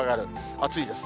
暑いです。